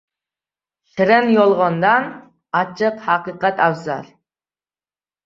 • Shirin yolg‘ondan achchiq haqiqat afzal.